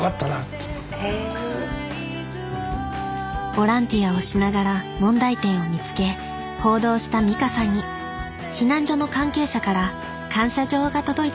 ボランティアをしながら問題点を見つけ報道した美香さんに避難所の関係者から感謝状が届いたんです。